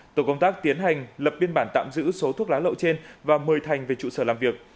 tổ công tác tiến hành lập biên bản tạm giữ số thuốc lá lậu trên và mời thành về trụ sở làm việc